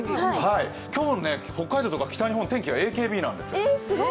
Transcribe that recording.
今日、北海道とか北日本天気がＡＫＢなんですよ。